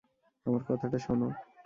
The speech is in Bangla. আমার কথাটা শোনো!